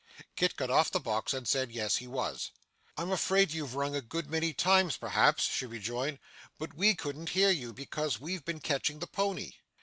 Kit got off the box, and said yes, he was. 'I'm afraid you've rung a good many times perhaps,' she rejoined, 'but we couldn't hear you, because we've been catching the pony.